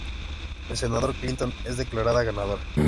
La senadora Clinton es declarada ganadora.